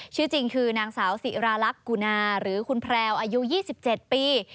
ชื่อจริงคือนางสาวสิราลักษณ์กุณาหรือคุณแพรวอายุ๒๗ปี